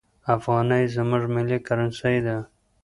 افغانۍ زموږ ملي کرنسي ده.